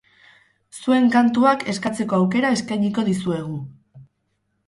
Zuen kantuak eskatzeko auerka eskainiko dizuegu.